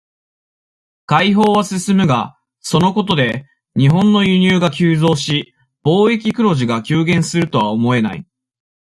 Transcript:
開放は進むが、そのことで、日本の輸入が急増し、貿易黒字が急減するとは思えない。